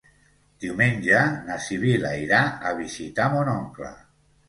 Diumenge na Sibil·la irà a visitar mon oncle.